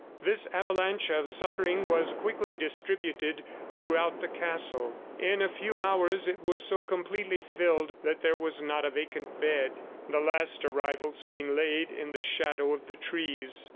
This avalanche of suffering was quickly distributed throughout the castle. In a few hours it was so completely filled that there was not a vacant bed the last arrivals being laid in the shadow of the trees.